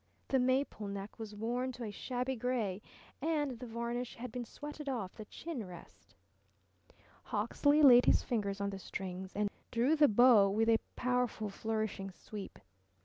The maple neck was worn to a shabby gray and the varnish had been sweated off the chin rest. Hawksley laid his fingers on the strings and drew the bow with a powerful flourishing sweep.